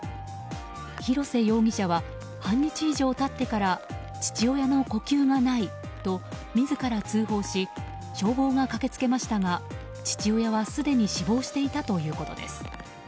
広瀬容疑者は半日以上経ってから父親の呼吸がないと自ら通報し消防が駆けつけましたが父親はすでに死亡していたということです。